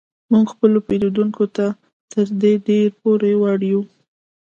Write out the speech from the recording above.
موږ خپلو پیرودونکو ته تر دې ډیر پور وړ یو